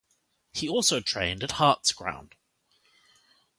He also trained at Hearts' ground.